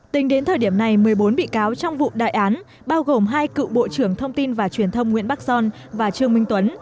tính đến thời điểm này một mươi bốn bị cáo trong vụ đại án bao gồm hai cựu bộ trưởng thông tin và truyền thông nguyễn bắc son và trương minh tuấn